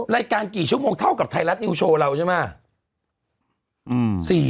รายการกี่ชั่วโมงเท่ากับไทยรัฐนิวโชว์เราใช่ไหม